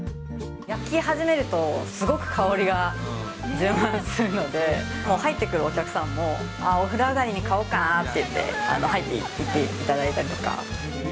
焼き始めると、すごく香りが充満するので、入ってくるお客さんも、あっ、お風呂上がりに買おうかなっていって、入っていっていただいたりとか。